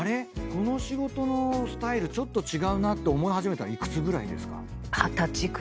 この仕事のスタイルちょっと違うなって思い始めたの幾つぐらいですか？